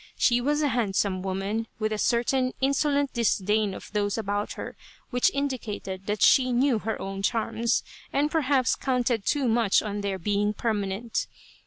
She was a handsome woman, with a certain insolent disdain of those about her which indicated that she knew her own charms, and perhaps counted too much on their being permanent.